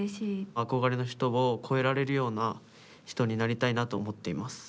あこがれの人を超えられるような人になりたいなと思っています。